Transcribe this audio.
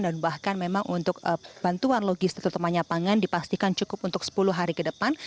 dan bahkan memang untuk bantuan logis tetap banyak pangan dipastikan cukup untuk sepuluh hari ke depan